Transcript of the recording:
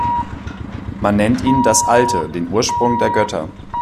Man nennt ihn „das Alte“, den „Ursprung der Götter“.